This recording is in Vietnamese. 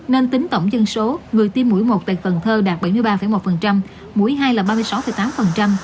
nên tính tổng dân số người tiêm mũi một tại cần thơ đạt bảy mươi ba một mũi hai là ba mươi sáu tám